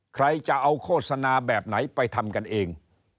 ใครจะเอาโฆษณาแบบไหนไปทำกันเอง